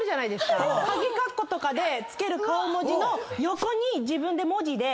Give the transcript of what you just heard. かぎかっことかで付ける顔文字の横に自分で文字で。